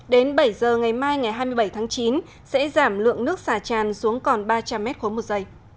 đến bảy h ngày mai ngày hai mươi bảy tháng chín sẽ giảm lượng nước xả tràn xuống còn ba trăm linh m một s